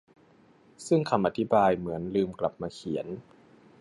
ซึ่งคำอธิบายเหมือนลืมกลับมาเขียน